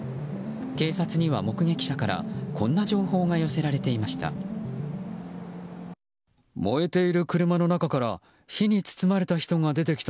警察には目撃者からこんな情報が寄せられていました。